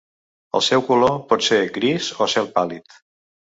El seu color pot ser gris o cel pàl·lid.